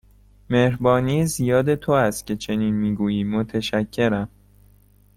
مهربانی زیاد تو است که چنین می گویی، متشکرم.